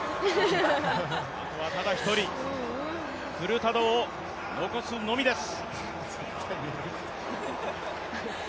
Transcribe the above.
あとはただ１人、フルタドを残すのみです。